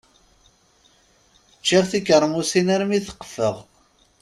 Ččiɣ tikeṛmusin armi taqfeɣ.